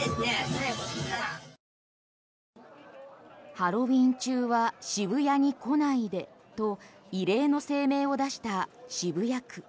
ハロウィン中は渋谷に来ないでと異例の声明を出した渋谷区。